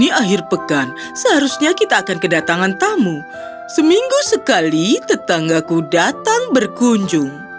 di akhir pekan seharusnya kita akan kedatangan tamu seminggu sekali tetanggaku datang berkunjung